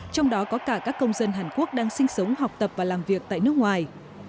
trong đó có cả các công dân hàn quốc đang sinh sống học tập và làm việc tại nước ngoài